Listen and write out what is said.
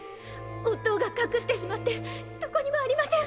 おっとうが隠してしまってどこにもありません